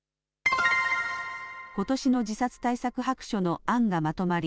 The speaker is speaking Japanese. ことしの自殺対策白書の案がまとまり